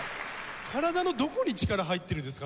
体のどこに力入ってるんですか？